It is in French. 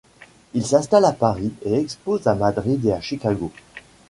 Il s'installe à Paris et expose à Madrid et à Chicago.